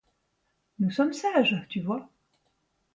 Nous sommes sages, tu vois.